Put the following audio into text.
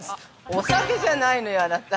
お酒じゃないのよ、あなた！